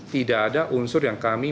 tidak ada unsur yang kami